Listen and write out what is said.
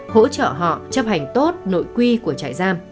hỗ trợ họ chấp hành tốt nội quy của trại giam